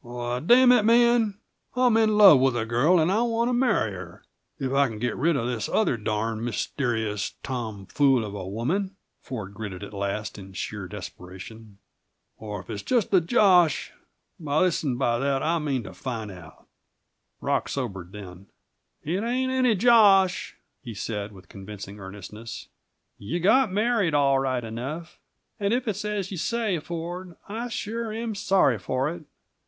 "Why, damn it, man, I'm in love with a girl and I want to marry her if I can get rid of this other darned, mysterious, Tom fool of a woman," Ford gritted at last, in sheer desperation. "Or if it's just a josh, by this and by that I mean to find it out." Rock sobered then. "It ain't any josh," he said, with convincing earnestness. "You got married, all right enough. And if it's as you say, Ford, I sure am sorry for it.